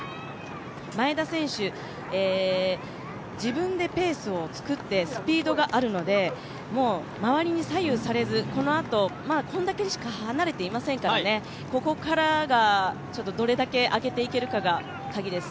前田選手、自分でペースを作って、スピードがあるので周りに左右されず、これだけしか離れていませんから、ここからがどれだけ上げていけるかがカギです。